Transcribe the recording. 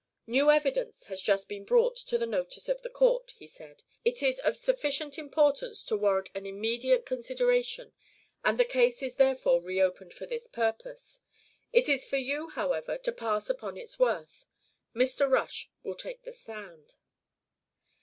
"New evidence has just been brought to the notice of the court," he said. "It is of sufficient importance to warrant its immediate consideration, and the case is therefore reopened for this purpose. It is for you, however, to pass upon its worth. Mr. Rush will take the stand."